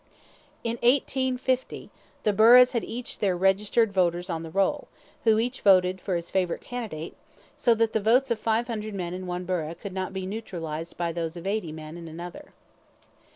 In 185 the burghs had each their registered voters on the roll, who each voted for his favourite candidate, so that the votes of five hundred men in one burgh could not be neutralized by those of eighty men in another.